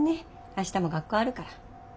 明日も学校あるから。